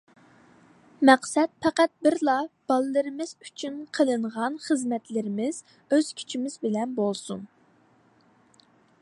مەقسەت پەقەت بىرلا: بالىلىرىمىز ئۈچۈن قىلىنغان خىزمەتلىرىمىز ئۆز كۈچىمىز بىلەن بولسۇن .